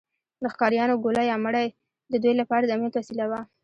د ښکاریانو ګوله یا مړۍ د دوی لپاره د امنیت وسیله وه.